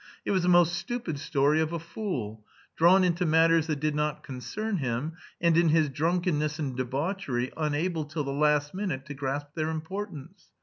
It was the most stupid story of a fool, drawn into matters that did not concern him, and in his drunkenness and debauchery unable, till the last minute, to grasp their importance.